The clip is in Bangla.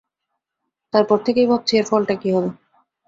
তার পর থেকেই ভাবছি এর ফলটা কী হবে।